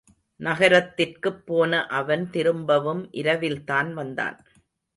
நகரத்திற்குப்போன அவன் திரும்பவும் இரவில்தான் வந்தான்.